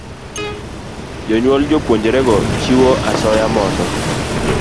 Jonyuol jopuonjrego chiwo asoya mondo